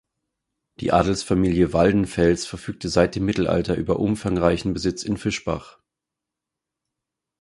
Die Adelsfamilie Waldenfels verfügte seit dem Mittelalter über umfangreichen Besitz in Fischbach.